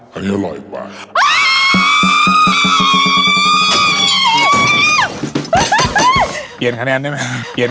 เปลี่ยนคะแนนได้ไหม